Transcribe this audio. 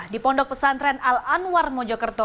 di pondok pesantren al anwar mojokerto